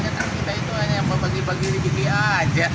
nah kita itu hanya bagi bagi diri aja